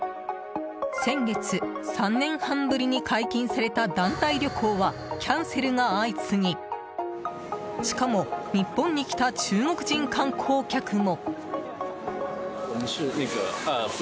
先月、３年半ぶりに解禁された団体旅行はキャンセルが相次ぎしかも日本に来た中国人観光客も。